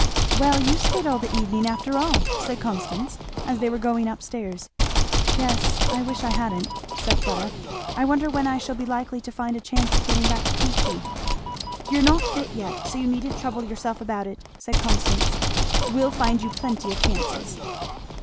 "Well you staid all the evening after all," said Constance as they were going up stairs. "Yes I wish I hadn't," said Fleda. "I wonder when I shall be likely to find a chance of getting back to Queechy." "You're not fit yet, so you needn't trouble yourself about it," said Constance. "We'll find you plenty of chances."